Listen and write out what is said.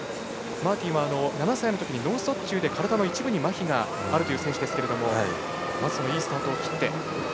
マーティンは７歳のときに脳卒中で体の一部にまひがある選手ですけれどもまず、いいスタート。